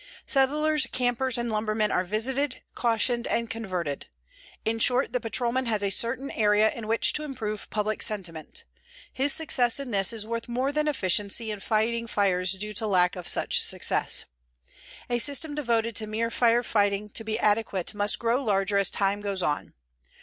Settlers, campers and lumbermen are visited, cautioned and converted. In short, the patrolman has a certain area in which to improve public sentiment. His success in this is worth more than efficiency in fighting fires due to lack of such success. A system devoted to mere fire fighting to be adequate must grow larger as time goes on.